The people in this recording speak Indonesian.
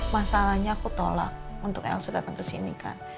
masalahnya aku tolak untuk elsa dateng kesini kan